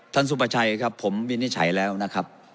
สุประชัยครับผมวินิจฉัยแล้วนะครับ